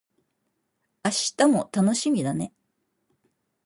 明日も楽しみだね